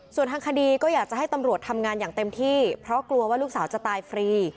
ส่วนทางคดีก็อยากจะให้ตำรวจทำงานอย่างเต็มที่เพราะกลัวว่าลูกสาวจะตายฟรี